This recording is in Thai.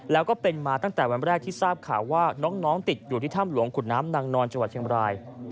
แล้วก็เป็นมาตั้งแต่วันแรกที่ทราบข่าวว่าน้องติดอยู่ที่ถ้ำหลวงขุนน้ำนางนอนจังหวัดเชียงบราย